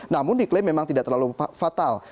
namun diklaim memang tidak terlalu fatal